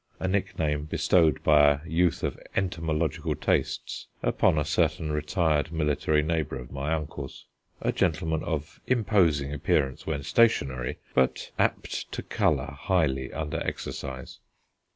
a nickname bestowed by a youth of entomological tastes upon a certain retired military neighbour of my uncle's, a gentleman of imposing appearance when stationary, but apt to colour highly under exercise.